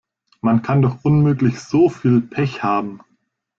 Man kann doch unmöglich so viel Pech haben.